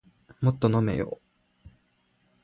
もっと飲めよ